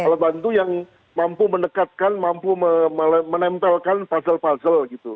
alat bantu yang mampu mendekatkan mampu menempelkan puzzle puzzle gitu